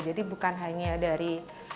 jadi bukan hanya dari